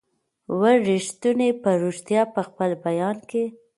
وو ریښتونی په ریشتیا په خپل بیان کي